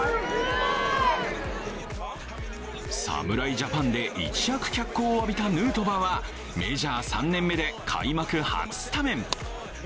侍ジャパンで一躍、脚光を浴びたヌートバーはメジャー３年目で開幕初スタメン。